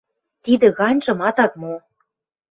Тидӹ ганьжым атат мо...